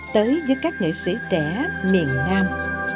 tới với các nghệ sĩ trẻ miền nam